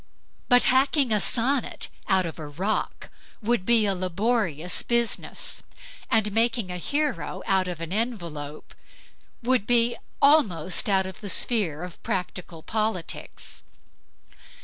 But hacking a sonnet out of a rock would be a laborious business, and making a hero out of an envelope is almost out of the sphere of practical politics.